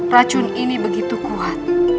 racun ini begitu kuat